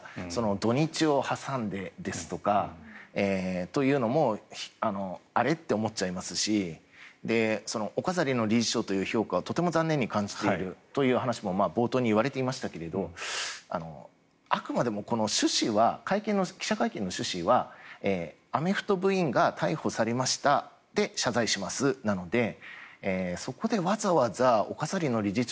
土日を挟んでですとかというのもあれ？って思っちゃいますしお飾りの理事長という評価はとても残念に感じているということも冒頭に言われていましたがあくまでも記者会見の趣旨はアメフト部員が逮捕されましたで、謝罪しますなのでそこでわざわざお飾りの理事長